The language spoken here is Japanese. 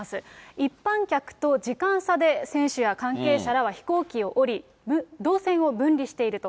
一般客と時間差で、選手や関係者らは飛行機を降りる動線を分離していると。